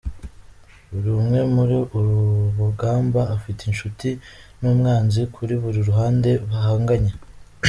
Buri umwe muri uru rugamba afite inshuti n’umwanzi kuri buri ruhande bahanganye.